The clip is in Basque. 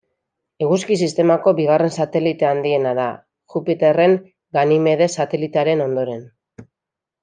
Eguzki sistemako bigarren satelite handiena da, Jupiterren Ganimedes satelitearen ondoren.